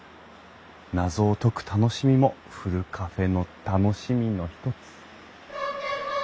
謎を解く楽しみもふるカフェの楽しみの一つ。